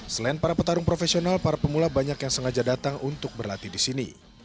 selain para petarung profesional para pemula banyak yang sengaja datang untuk berlatih di sini